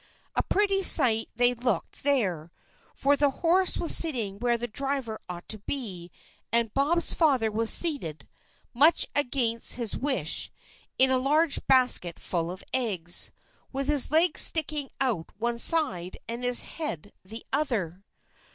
A pretty sight they looked there, for the horse was sitting where the driver ought to be, and Bob's father was seated, much against his wish, in a large basket full of eggs, with his legs sticking out one side and his head the other.